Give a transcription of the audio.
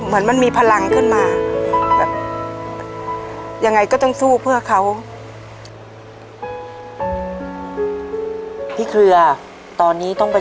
เหมือนพี่เขารักดายรู้สึกอยู่ไหนครับ